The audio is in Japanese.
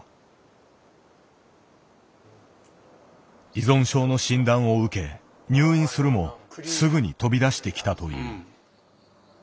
依存症の診断を受け入院するもすぐに飛び出してきたという。